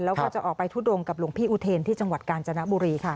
แล้วก็จะออกไปทุดงกับหลวงพี่อุเทนที่จังหวัดกาญจนบุรีค่ะ